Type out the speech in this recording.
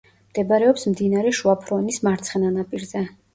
მდებარეობს მდინარე შუა ფრონის მარცხენა ნაპირზე.